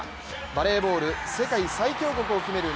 バレーボール世界最強国を決める